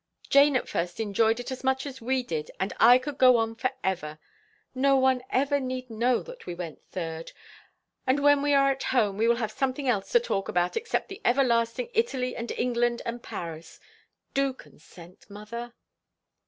Jane at first enjoyed it as much as we did, and I could go on forever. No one need ever know that we went third, and when we are at home we will have something else to talk about except the ever lasting Italy and England and Paris. Do consent, mother."